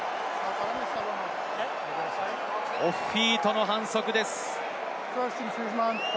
オフフィートの反則です。